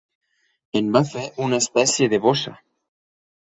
En va fer una espècie de bossa.